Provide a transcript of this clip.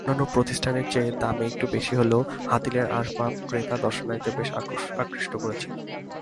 অন্যান্য প্রতিষ্ঠানের চেয়ে দামে একটু বেশি হলেও হাতিলের আসবাব ক্রেতা-দর্শনার্থীদের বেশ আকৃষ্ট করেছে।